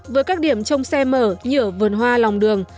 với các điểm trong xe mở như ở vườn hoa lòng đường